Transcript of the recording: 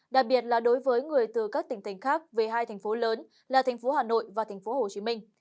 đặc biệt là đối với người từ các tỉnh thành khác về hai thành phố lớn là thành phố hà nội và thành phố hồ chí minh